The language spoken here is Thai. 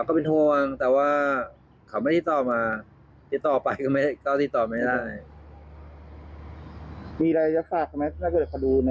ก็ไปแก้ไขอะไรไม่ได้เลยนะ